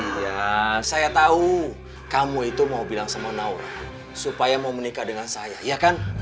ya saya tahu kamu itu mau bilang sama nau supaya mau menikah dengan saya ya kan